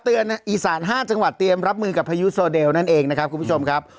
อีสาน๕จังหวัดเตรียมรับมือกับพายุโซเดลนั่นเองนะครับคุณผู้ชมครับ